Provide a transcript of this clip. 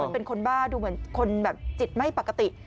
เป็นคนบ้าดูเหมือนคนแบบจิตไม่ปกติ